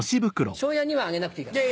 昇也にはあげなくていいから。